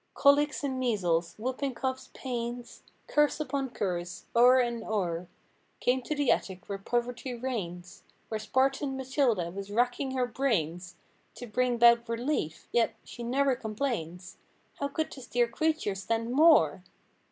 Colics and measles—^whooping coughs, pains— Curse upon curse—o'er and o'er. Came to the attic where poverty reigns; Where Spartan Matilda was racking her brains To bring 'bout relief—^yet, she never complains. How could this dear creature stand more?